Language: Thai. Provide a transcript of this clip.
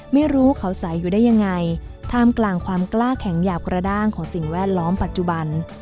ไม่รู้เขาใส่อยู่ได้ยังไงท่ามกลางความกล้าแข็งหยาบกระด้างของสิ่งแวดล้อมปัจจุบัน